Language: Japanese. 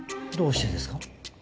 どうしてですか？